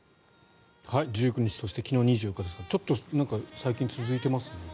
１９日そして昨日２４日ですからちょっと最近続いていますね。